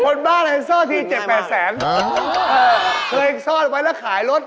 คนบ้านเห็นซ่อนที่๗๘๐๐บาทครับค่ะเคยซ่อนไว้แล้วขายรถ